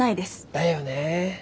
だよね。